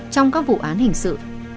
trong các vụ án hình sự